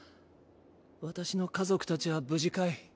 私の家族たちは無事かい？